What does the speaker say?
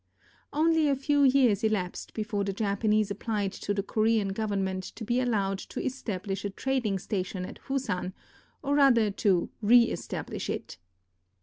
Only a few years elapsed before the Japanese applied to the Korean Government to be allowed to establish a trading station at Fusan, or rather to reestablish it.